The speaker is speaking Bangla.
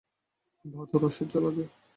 বাদুড় অসহ্য লাগে।